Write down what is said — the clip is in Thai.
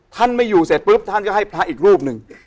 ท่านไม่อยู่เสร็จปุ๊บท่านก็ให้พระอีกรูปหนึ่ง